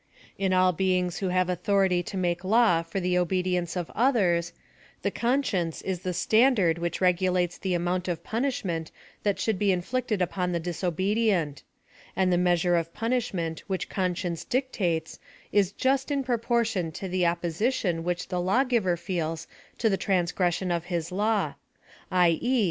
In all beings who have authority to make law for the obedience of others, the conscience is the stand ard which regulates the amount of punishment that should be inflicted upon the disobedient; and the measure of punishment which conscience dictates is just in proportion to the opposition which the law giver feels to the transgression of his law; i. e.